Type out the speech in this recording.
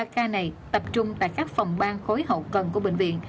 năm mươi ba ca này tập trung tại các phòng ban khối hậu cần của bệnh viện